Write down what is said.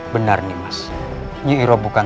benar nyi iroh bukan